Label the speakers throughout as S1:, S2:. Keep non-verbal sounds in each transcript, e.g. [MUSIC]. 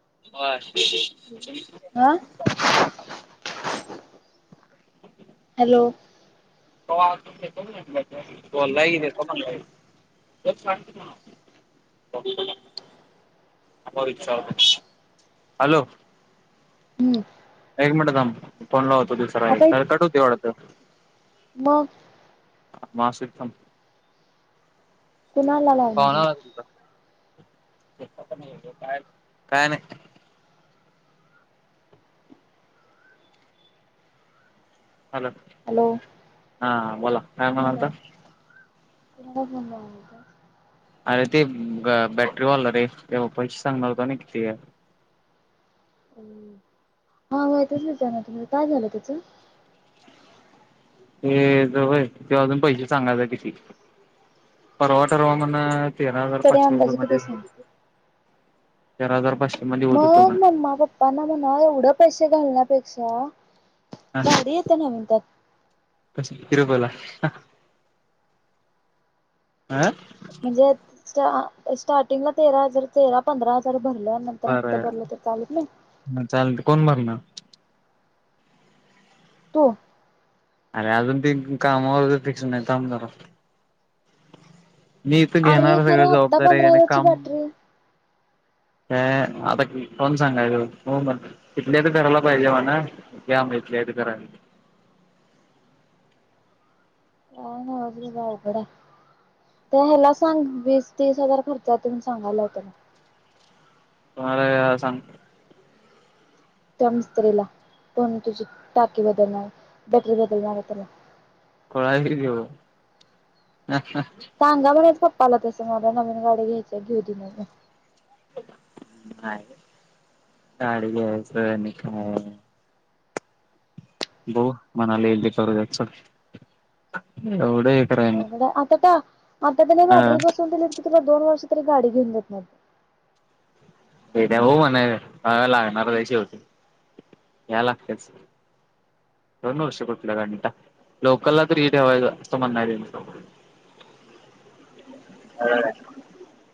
S1: हो
S2: आा हॅलो
S1: इचछा हॅलो
S2: हम्म
S1: एक मिनिट फोनला होत ुसर आहे तर कट होतेवढ अ
S2: म
S1: ह मा सिद्थम
S2: कुणाला लावणार आहे
S1: का काय नाही हॅलो
S2: हॅलो
S1: हा बोला हा म्हणत
S2: कोड बणत
S1: अरे ते बॅटरी वालं रे ते्हा पैसे सांगणारत ना किती
S2: हा तच जाणार तुमं काय झालं त्याच
S1: ते जय ते अजून पैसे सांगायचा किती परवा ठरवा म्हण तेरा हजार
S2: तरी
S1: पाचशे
S2: अंदाजे
S1: रुपयाे मध्ये
S2: किती
S1: होत
S2: सांग
S1: होत तेरा हजार पाास
S2: मग मम्मा पप्पा ना म्हणा एवढं पैश क घालण्यापेक्षा बाारी येते न विनतात
S1: क किरपला
S2: म्हणजे स्ट स्टार्टिंगला तेरा हजार तेरा पंरा हजार भरलं नंतर हप्ता
S1: बरं
S2: भरला तर चालत नाही
S1: ह चालेलते कोण भरणार
S2: तू
S1: अरे अजून त कामावर फिक्शन नाही काम कर मी इथं
S2: अरे
S1: घेणार सगळं
S2: खरं आत्ता
S1: जबाबदारी आहे
S2: पंधरा
S1: आणि
S2: हजारची
S1: काम
S2: बॅटरी
S1: का आता कोण सांगायच हो म तथले तर करायला पाहिजे मणा घ मग इथले कराय
S2: वघड ह्याला सांग वीस तीस हजार खर्चात येून सांगायला हो त्याला
S1: तुमला सांग
S2: त्या मिस्तरीला पण तुझी टाकी बदलणार बॅटरी बदलणार आहे तला
S1: कोळ गेरीव
S2: सांगा बघच फक् पाला तस मला नवीन गाडी घ्यायच्या घेऊ दि नाही म
S1: कााढ घयस नि खाय भाो मणाले येल ते करू दयच एवढं कराय नाही
S2: हो आता का मता दिने ब
S1: अ
S2: बाटरी बसून क तुला दोन वर्ष तरी गाडी घेऊन जात ना
S1: हे त्या भाऊ म्हणा ह लागणार त्या शेवटी या लागतेच दोन वर्षपठल्या गणी का लोकलला तरी ठेवायचं असं म्हण त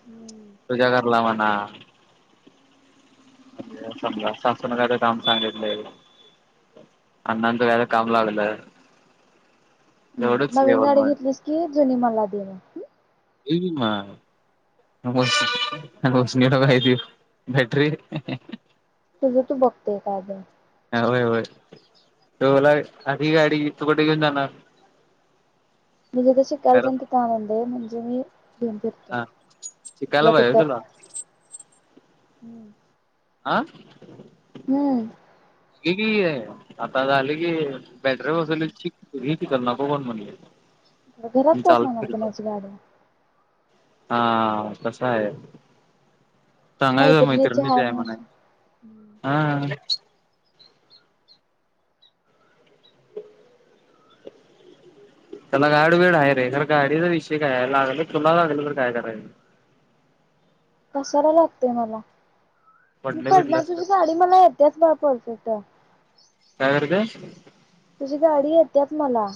S2: हम्म
S1: तूझ्या करला म्हणाणज समजा सासूना कायच काम सांगितलंय अण्णांचं कायच काम लागलंय
S2: हम् नवीन गाडी घेतलीस की जुनी मला देणे
S1: इ मस नडगयतीव बट्री
S2: तुझं तू बघतेय का अग
S1: ह होय होय टोला अधी गाडी इ तुकठ घेऊन जाणार
S2: मी जेथ शिकायला
S1: अर
S2: त्या तिथ आनंद आहे म्हणजे मी घेऊन फिरतो
S1: हा शिकायला
S2: तथल्या
S1: पाहिजे तुला
S2: तिथं हम्म
S1: आह
S2: हम्म
S1: कि आता झाले की बॅटरी बसले ह चिकल ना ब कोण म्हणले
S2: घरात
S1: मी
S2: काय
S1: चालत
S2: सांगणार होते
S1: फिरतो
S2: कुणाची गाडीये?
S1: हा कसा आहे? चांगल्या
S2: मैत्रिणीची
S1: मैत्रिणीच
S2: हाय
S1: आहे
S2: म्हणून
S1: म्हणा की,
S2: हम्म तेच
S1: हा!
S2: की
S1: त्याला गाड वेड आहे रे, तर गाडीचा विषय काय आहे? लागल तुला लागलं तर काय करायच?
S2: कसाला लागतेय मला? मी
S1: पडलं
S2: पडणार
S1: बिडलंस तर
S2: तुझी गाडी मला येत्याच बा पोहचवता
S1: काय करते
S2: तुझी गाडी य त्यात मला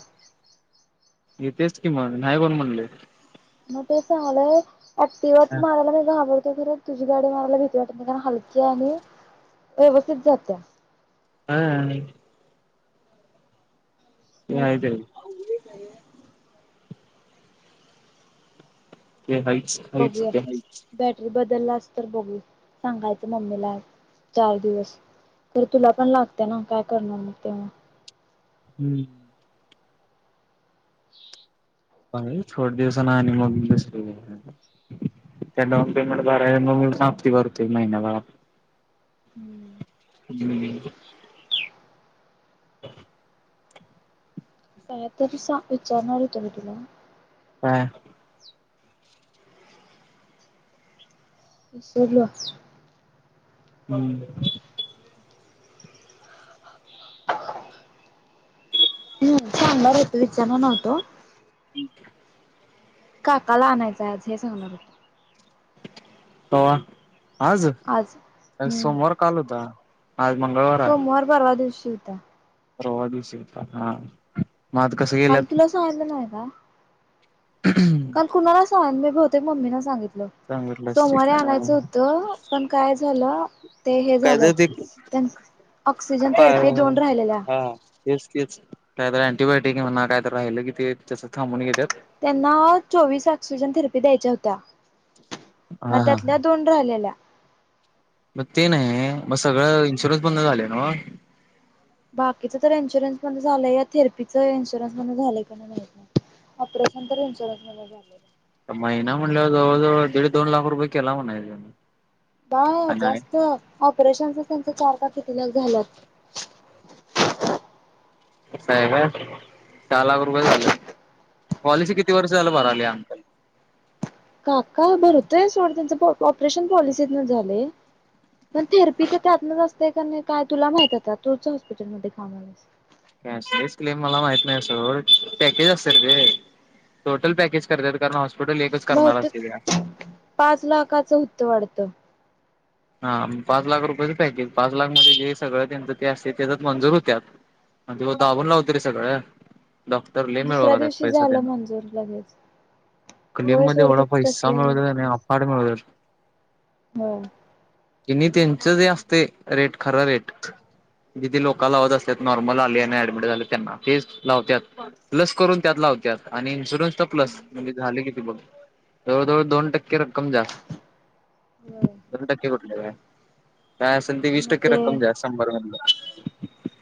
S1: येतेच कि मग नाही कोण म्हणले?
S2: मग ते सांगल. [UNINTELLIGIBLE] ते
S1: हा
S2: म्हणे, तुझी गाडी मला भीती वाटत नाही, कारण हलकी्या आणि व्यवस्थित चालते.
S1: हा. हा.
S2: मग
S1: [UNINTELLIGIBLE] [INAUDIBLE] ते हाइच, हाइच ते हाइच.
S2: बदला, तर बघू सांगायचं मम्मीला चार दिवस तर तुला पण लागते ना? काय करणार मग तेव्हा
S1: हम्म. थोड दिवसाना आणि मग दुसरी घेईन त्या डाऊन पेमेंट भराया मम्मी ला सांगतोय भरतोय महिन्याला हम् [INAUDIBLE]
S2: काय तरी सां विचारणार होतो मी तुम्हाला?
S1: हा
S2: विसरलोच.
S1: हम्
S2: ह सांगणार होतो विचारणार नव्हतो.
S1: [INAUDIBLE]
S2: काकाला आणायचंय आज हे सांगणार होतो.
S1: कव्हा? आज,
S2: हम्म
S1: सोमवार काल होता. आज मंगळवार आहे
S2: सोमवार परवा दिवशी [UNINTELLIGIBLE]
S1: परवा दिवसी होता. मग आज कसं
S2: काल
S1: गेल्यात
S2: तुला सांगितला ना काल कुणालास पाहुणे बी होते मम्मीन सांगितल. पण काय झालं ते हे झालं त्यां ऑक्सिजन थेरपी दोन राहिलेल्या
S1: [UNINTELLIGIBLE] राहिलं की ते तस थांबून घेतात.
S2: त्यांना चोवीस ऑक्सिजन थेरपी द्यायच्या होत्या मग
S1: हा
S2: त्यातल्या दोन राहिलेल्या
S1: म ते नाही मग सगळं इन्शुरन्स मधन झालं नव्ह
S2: बाकीच तर इन्शुरन्स मधन झालंय या थेरपीच इन्शुरन्स मधन का झालंय माहित नाही ऑपरेशन तर इन्शुरन्स मधन झालय
S1: महिना म्हणल्या जवळ जवळ दीड दोन लाख रुपये केला म्हणायच
S2: बाय
S1: आणि
S2: जास्त ऑपरेशन त्यांच चार का किती तिला झालात
S1: साहेब सहा लाख रुपये झाले पॉलिसी किती वर्ष झालं बर आली आजकाल
S2: काका बर होतोय सोड त्यांचं ऑपरेशन पॉलिसीत नच झालय. पण थेरपीच त्यातनच ते कणी काय तुला माहित आता तुच हॉस्पिटलमध्ये कामाला आहेस.
S1: कॅशलेस क्लेम मला माहित नाही सोड पॅकेज असत्यात रे टोटल पॅकेज करत्यात कारण हॉस्पिटल एकच करणार असते ते
S2: बहुतेक पाच लाखाचं होत्त वाढत.
S1: हा पाच लाख रुपयाचं पॅकेज पाच लाख मध्ये जे सगळं त्यांचं ते असते तेच्या मंजूर होत्या तेव्हा दाबून लावत रे सगळं डॉक्टर लय मिळवाय
S2: दुसऱ्या
S1: लागल्यात
S2: दिवशी
S1: पैसा
S2: झालं
S1: देण
S2: मंजूर लगेच
S1: क्लेम
S2: होय
S1: मध्ये
S2: सोड ते
S1: एवढा पैसा
S2: तसलं
S1: मिळवाय आणि अफाट मिळवाल्यात
S2: हम
S1: कनी त्यांचं जे असते रेट खरं रेट जिथे लोक लावत असत्यात नॉर्मल आले आणि ऍडमिट झाले त्यांना तेच लावत्यात प्लस करून त्यात लावत्यात आणि इन्शुरन्स तर प्लस म्हणजे झाले किती जवळ जवळ दोन टक्के रक्कम जास्त
S2: होय
S1: ठरलं काय [UNINTELLIGIBLE] काय असेल ते वीस टक्के रक्कम दया शंभर मदल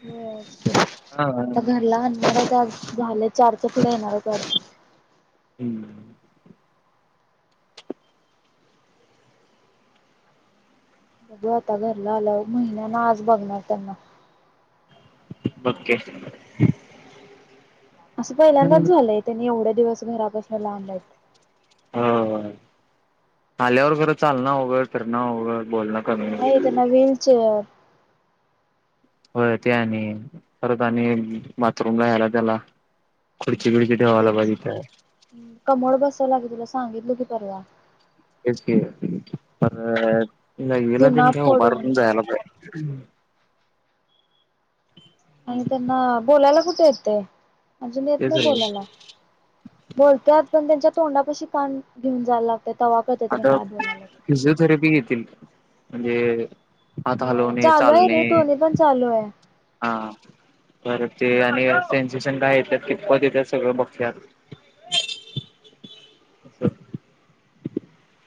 S2: हो आता घरला आणनार आहेच झालं चारच्या पुढ येणार आहे वाटत
S1: हम्म
S2: बघू आता घरला आल्याव महिन्यान आज बघणार त्यांना
S1: पक्केचं [UNINTELLIGIBLE]
S2: असं पहिल्यांदाच झालंय त्यांनी एवढं किती दिवस घरापासून लांब आहेत.
S1: हो आल्यावर खरं चालण अवघड फिरणं अवघड बोलण
S2: नाही त्यांना व्हीलचेअर
S1: होय ते आणि परत आणि बाथरूमला यायला त्याला बिडची ठेवायला
S2: तेच
S1: पाहिजे इथं
S2: कमळ कस लागेलच [UNINTELLIGIBLE] सांगितलं ते खर
S1: हेच की परत ग्रेबिलां
S2: जुना
S1: कणी
S2: फोडून
S1: उभारून जायला पाहिजे [UNINTELLIGIBLE] हम् [INAUDIBLE]
S2: आणि त्यांना बोलायला कुट येत. तय अजून येत नाही
S1: तेच रे
S2: बोलायला बोलत्यात पण त्यांच्यात तोंडापाशी कान घेऊन जायला लागत
S1: आता फिजिओथेरपी घेतील. म्हणजे हात
S2: हो
S1: हलवणे
S2: चालू आहे रे
S1: चालणे
S2: दोन्ही पण चालू आहे.
S1: हा बर ते आणि सेन्सेशन काय येत्यात कितपत येत्यात सगळं बगत्यात.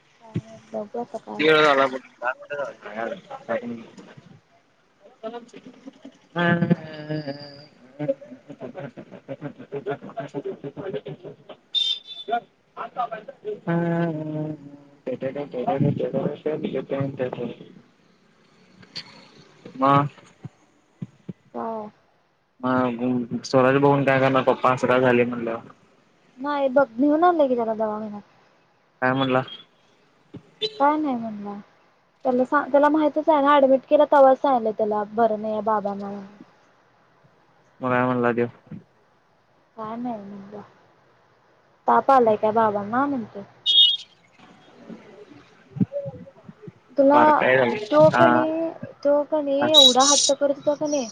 S2: काय माहित बघू आता काय
S1: किती वेळ
S2: होते
S1: झालंय बग दहा मिन [UNINTELLIGIBLE] [INAUDIBLE] म [UNINTELLIGIBLE]
S2: काय?
S1: म स्वराज बघून काय करणार पप्पा आस का झालय म्हणल्या वर
S2: नाही बघ घेऊन नेऊन आणलय की त्याला दवाखान्यात
S1: काय म्हणला
S2: काय नाही म्हणला त्याला सा त्याला माहितच आहे ना ऍडमिट केलं तेव्हाच सांगीतलय त्याला बर नाही बाबाांना म्हणून
S1: म काय म्हणला त्यो
S2: काय नाही म्हनला ताप आलाय काय बाबाांना म्हणतोय
S1: [INAUDIBLE]
S2: तुला
S1: बारका आहे
S2: तो
S1: हा
S2: कनी तो कणी
S1: हा
S2: एवढा हट्ट
S1: हा
S2: करत हुता कनी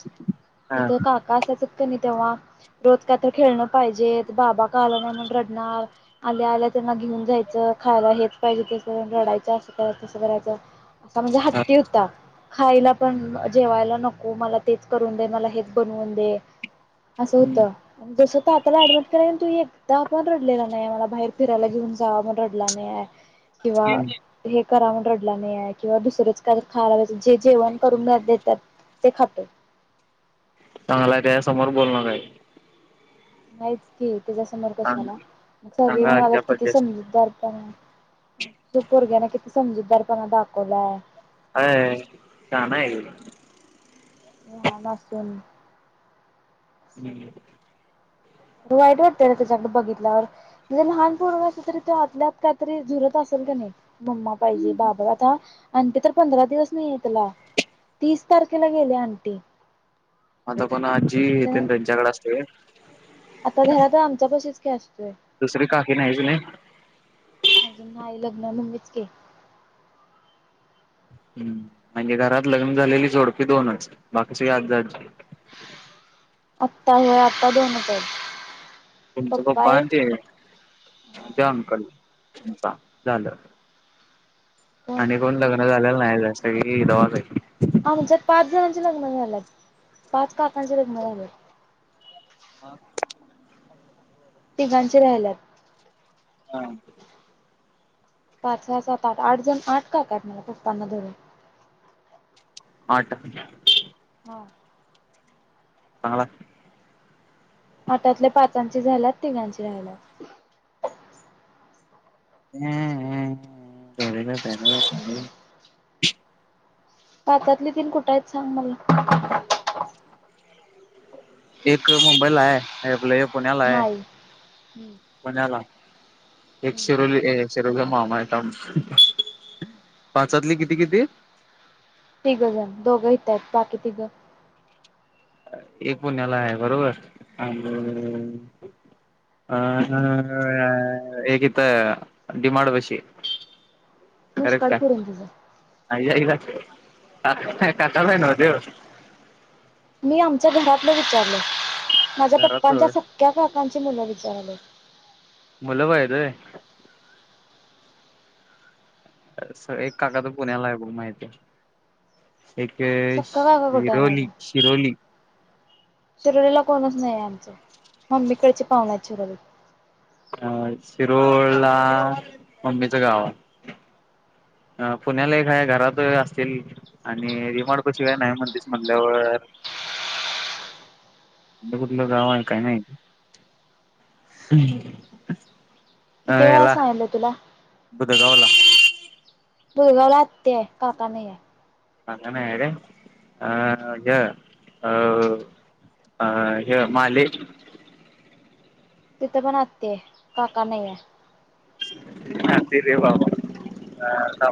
S2: तिथं काका असायचं नाही तेव्हा रोज का तर खेळणं पाहिजेत बाबा का आलं नाही म्हण रडणार आल्या आल्या त्यांना घेऊन जायचं खायला हेच पाहिजे तस रडायचं असं करायच तस करायचं करायचं असा म्हणजे
S1: हा
S2: हट्टी हुता खायला पण जेवायला नको मला तेच करून दे मला हेच बनवून दे असं होतं जस तात्याला ऍडमिट केलंय कणी तू एकदा पण रडलेला नाही मला बाहेर फिरायला घेऊन जा म्हणून रडला नाही आहे किंवा हे करा म्हनून रडला नाही आहे किंवा दुसरंच काय खायला जे जेवण करून देतात ते खातो
S1: चांगलाय त्याच्यासमोर बोलू नका हे
S2: नाहीच की त्याच्या समोर
S1: चांग
S2: कशाला मग सगळे
S1: चांगला
S2: म्हणालेत
S1: आज्या
S2: किती
S1: पज्या
S2: समजूतदार पना तू पोरग्यान किती समजूदार पणा दाकवलाय
S1: होय शाना हाय ते
S2: लहान आसून
S1: हम्म
S2: वाईट वाटतय र तेच्याकड बघितल्यावर म्हणजे लहानपोरग असलं तरी तो आतल्याआत कायतरी झुरत असेल कणी मम्मा पाहिजे बाबा आता आंटी तर पंधरा दिवस नाहीये तेला तीस तारखेला गेल्या अंटी
S1: आता कोण आजी तेन त्यांच्याकडे असते व्हय
S2: आता घरात तर आमच्या पशीच कॅस
S1: दुसरी काकी नाहीच नय
S2: अजून नाही लग्न मम्मीच की
S1: हम्म म्हणजे घरात लग्न झालेली जोडपी दोनच बाकी सगळी आजा आजी
S2: आत्ता होय आत्ता दोन हायत
S1: तुमच पप्पा आण ते ते अंकल पा झालं आणि कोण लग्न झाल्याल नाही नाही सगळी गावात
S2: आमच्यात पाच जणांची लग्न झाल्यात पाच काकांची लग्न झाल्यात
S1: मग
S2: तिघांची राहिल्यात.
S1: हा
S2: पाच सहा सात आठ आठ जण आठ काका आहेत मला पप्पांना धरून.
S1: आठ.
S2: हो [UNINTELLIGIBLE]
S1: चांगला.
S2: आठातल्या पाचांची झाल्यात तिघांची राहिल्यात
S1: हंम अ [UNINTELLIGIBLE]
S2: पाचातली तीन कुठं आहेत सांग मला?
S1: एक मुंबईला हाय हे आपलं. पुण्यालाय
S2: नाही.
S1: पुण्याला. एक शिरोली एसफ. [UNINTELLIGIBLE] मामा हाती आमच पाचातली किती किती?
S2: तिघं जण दोघं हिथहाईत आहेत बाकी तिघं.
S1: एक पुण्याला हाय बरोबर. आणि अ एक हित डी मार्ट पशी.
S2: मुस्काड
S1: करेक्ट
S2: फोडून तिचं.
S1: हाय अ या [UNINTELLIGIBLE] [UNINTELLIGIBLE] ताटात हाय नव देव
S2: ते आमच्या घरातलं विचारलं. माझ्या
S1: घरात
S2: पप्पांच्या सख्या काकांची मुलं विचारालेत.
S1: मुल भहायत वय एक काका तो पुण्याला आहे बघ माहितय. एक
S2: सख्खा काका कुठे आहे
S1: विरोली
S2: माझा
S1: शिरोली
S2: शिरोलीला कोणच नाही आमचं मम्मीकडची पाव्हणं आहेत शिरोलीत.
S1: अ शिरोळला मम्मीच गाव हाय अ पुण्याला एक घरात असतील आणि रिमाडपाशी [UNINTELLIGIBLE] काय नाही म्हणतीस म्हटल्यावर. कुठलं गाव आहे आणि काही नाही. हा
S2: किती वेळा
S1: याला
S2: सांगितलं तुला?
S1: बुदगवला.
S2: पुण्याला आत्या हाय काका नाहीये.
S1: ऑनलाइन आहे काय अ ज अ अ ज ह महाल.
S2: तिथं पण आत्या हाय काका नाही हाय.
S1: ह तर बाबा ह [UNINTELLIGIBLE]